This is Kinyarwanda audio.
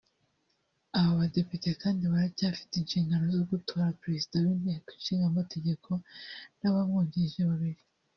Aba badepite kandi baracyafite inshingano zo gutora Perezida w’Inteko Ishinga Amategeko n’abamwungirije babiri